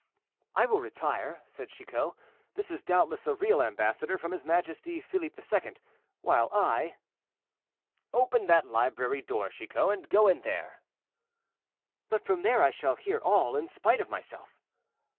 "I will retire," said Chicot. "This is doubtless a real ambassador from his majesty Philippe II., while I—" "Open that library door, Chicot, and go in there." "But from there I shall hear all, in spite of myself."